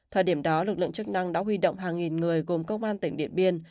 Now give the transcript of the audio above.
thời điểm đó lực lượng chức năng đã huy động hàng nghìn người gồm công an tỉnh điện biên